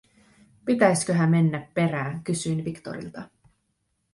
"Pitäisköhä mennä perää?", kysyin Victorilta.